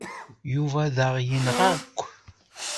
Yuba ad aɣ-yenɣ akk.